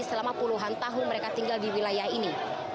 selama puluhan tahun mereka tinggal di wilayah ini